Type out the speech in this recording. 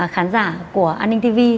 khán giả của an ninh tv